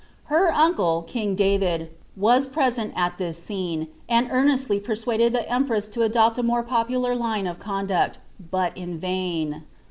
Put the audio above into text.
Her uncle, king David, was present at this scene, and earnestly per luaded the empress to adopt a more popular line of conduct, but in Tain.'